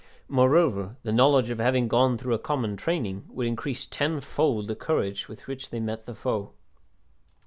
Moreover the knowledge of having gone through a common training would increase tenfold the courage with which they met the foe.